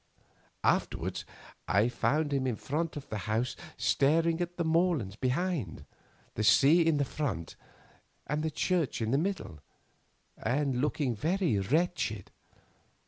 Afterwards I found him in front of the house staring at the moorland behind, the sea in front, and the church in the middle, and looking very wretched.